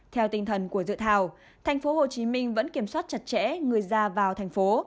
theo tinh thần của dự thảo tp hcm vẫn kiểm soát chặt chẽ người ra vào thành phố